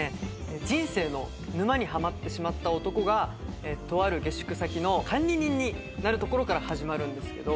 人生の沼にハマってしまった男がとある下宿先の管理人になるところから始まるんですけど。